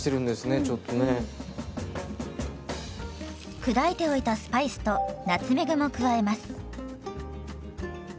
砕いておいたスパイスとナツメグも加えます。